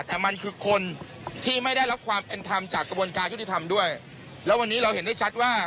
แต่มันคือคนที่ไม่ได้รับความเป็นธรรมจากกระบวนการยุติธรรมด้วยแล้ววันนี้เราเห็นได้ชัดว่า